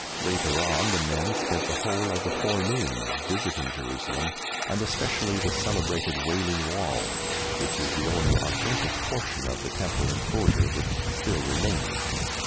Later on the men spent the whole of the forenoon visiting Jerusalem, and especially the celebrated Wailing Wall, which is the only authentic portion of the Temple enclosure which still remains.